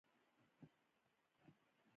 عبدالرحمن خان په شان قدرت نه وو.